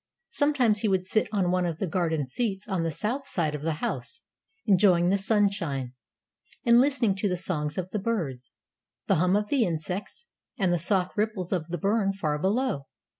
Sometimes he would sit on one of the garden seats on the south side of the house, enjoying the sunshine, and listening to the songs of the birds, the hum of the insects, and the soft ripples of the burn far below.